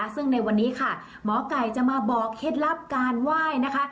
ซึ่งในวันนี้ค่ะหมอไก่จะมาบอกเคล็ดลับการไหว้นะคะ